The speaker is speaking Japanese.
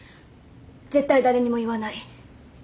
絶対誰にも言わない。